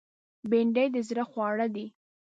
بېنډۍ د زړه خواړه دي